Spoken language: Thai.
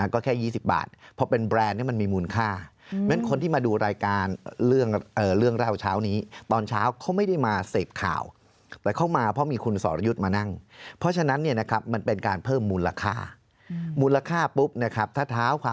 ก็แค่๒๐บาทเพราะเป็นแบรนด์เนี่ยมันมีมูลค่า